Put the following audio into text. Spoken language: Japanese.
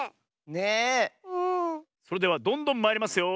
それではどんどんまいりますよ。